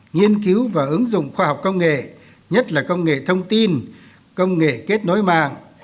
nghiên cứu và ứng dụng khoa học công nghệ nhất là công nghệ thông tin công nghệ kết nối mạng